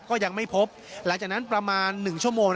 ก็ยังไม่พบหลังจากนั้นประมาณ๑ชั่วโมง